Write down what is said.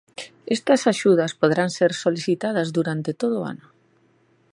Estas axudas poderán ser solicitadas durante todo o ano.